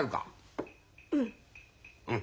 うん。